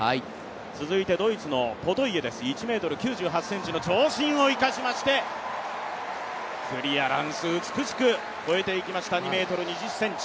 続いてドイツのポトイエです、長身を生かしてクリアランス、美しく越えていきました、２ｍ２０ｃｍ。